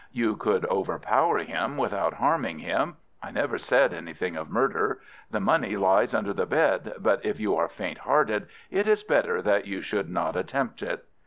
"You could overpower him without harming him. I never said anything of murder. The money lies under the bed. But if you are faint hearted, it is better that you should not attempt it."